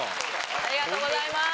ありがとうございます。